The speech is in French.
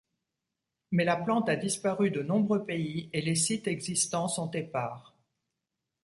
Mais la plante a disparu de nombreux pays et les sites existants sont épars.